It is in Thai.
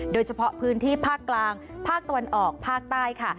โดยเฉพาะพื้นที่ภาคกลางภาคตะวันออกภาคใต้ค่ะ